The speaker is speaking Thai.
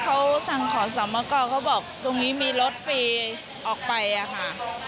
ก็เขาทางขอสำมัครก็บอกตรงนี้มีรถฟรีออกไป๗๗นะคะ